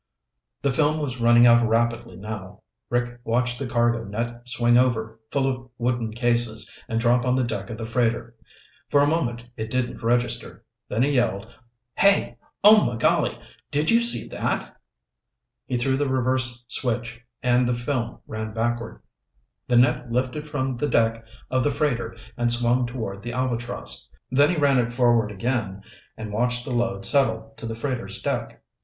The film was running out rapidly now. Rick watched the cargo net swing over, full of wooden cases, and drop on the deck of the freighter. For a moment it didn't register, then he yelled. "Hey! Ohmigolly! Did you see that?" He threw the reverse switch and the film ran backward. The net lifted from the deck of the freighter and swung toward the Albatross. Then he ran it forward again and watched the load settle to the freighter's deck.